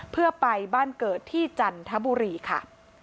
เพื่อไปบ้านเกิดที่จันทบุรีค่ะ